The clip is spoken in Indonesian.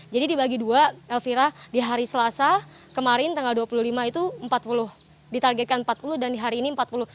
jadi dibagi dua elvira di hari selasa kemarin tanggal dua puluh lima itu empat puluh ditargetkan empat puluh dan di hari ini empat puluh